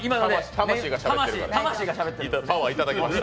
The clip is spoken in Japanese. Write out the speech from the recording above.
魂がしゃべってました。